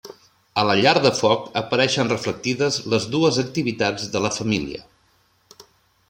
A la llar de foc apareixen reflectides les dues activitats de la família.